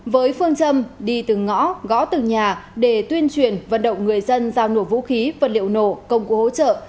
với phương châm đi từng ngõ gõ từng nhà để tuyên truyền vận động người dân giao nổ vũ khí vật liệu nổ công cụ hỗ trợ